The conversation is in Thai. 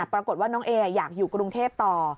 ปรากฏว่าน้องเออยากอยู่กรุงเทพต่อ